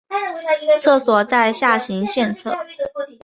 厕所在下行线侧。